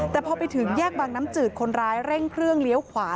แต่พอไปถึงแยกบางน้ำจืดคนร้ายเร่งเครื่องเลี้ยวขวา